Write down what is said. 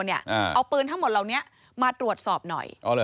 เอาปืนทั้งหมดเหล่านี้มาตรวจสอบหน่อย